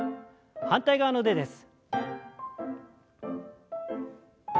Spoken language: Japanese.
反対側の腕です。